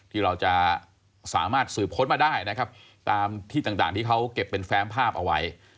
ที่เราจะสามารถสืบค้นมาได้นะครับตามที่ต่างที่เขาเก็บเป็นแฟมภาพเอาไว้